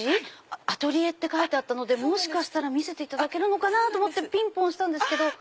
アトリエって書いてあったので見せていただけるのかと思ってピンポン押したんですけど。